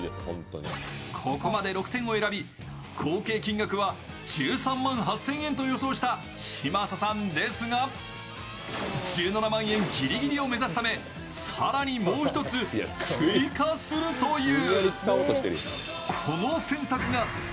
ここまで６点を選び合計金額は１３万８０００円と予想した嶋佐さんですが１７万円ギリギリを目指すため更にもう一つ追加するという。